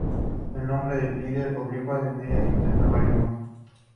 Recibe el nombre de línea oblicua y en ella se insertan varios músculos.